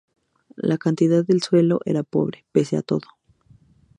La calidad del suelo era pobre, pese a todo.